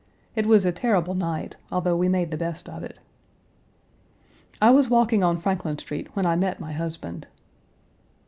It was a terrible night, although we made the best of it. I was walking on Franklin Street when I met my husband.